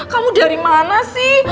kamu dari mana sih